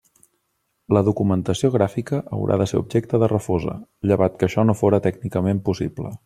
La documentació gràfica haurà de ser objecte de refosa, llevat que això no fóra tècnicament possible.